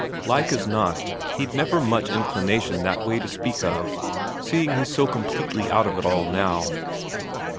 Like as not he'd never much inclination that way to speak of, seeing he's so completely out of it all now.